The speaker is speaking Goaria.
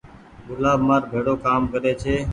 گلآب مآر ڀيڙو ڪآم ڪري ڇي۔